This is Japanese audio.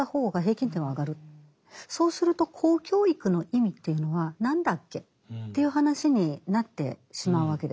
そうすると公教育の意味というのは何だっけという話になってしまうわけです。